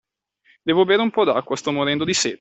Devo bere un po' d'acqua, sto morendo di sete!